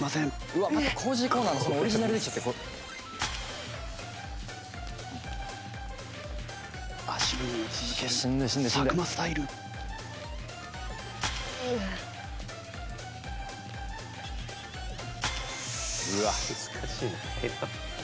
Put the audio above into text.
うわっ難しい。